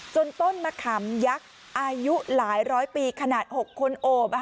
ต้นมะขามยักษ์อายุหลายร้อยปีขนาด๖คนโอบ